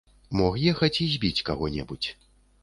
Мог ехаць і збіць каго-небудзь.